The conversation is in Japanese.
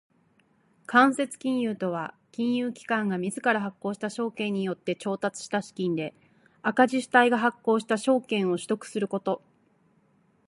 間接金融とは金融機関が自ら発行した証券によって調達した資金で赤字主体が発行した証券を取得すること。